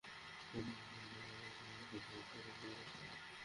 তোমার উৎসাহমূলক কথাগুলো নিয়ে আমাদের আলোচনা করতে হবে, দোস্ত।